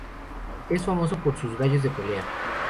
Es famoso por sus gallos de pelea.